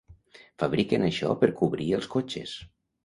Fabriquen això per cobrir els cotxes.